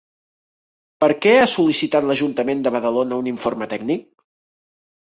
Per què ha sol·licitat l'Ajuntament de Badalona un informe tècnic?